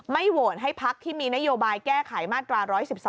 โหวตให้พักที่มีนโยบายแก้ไขมาตรา๑๑๒